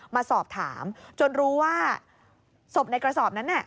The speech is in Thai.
มาสอบถามจนรู้ว่าศพในกระสอบนั้น